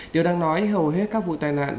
điều đang nói hầu hết các vụ tai nạn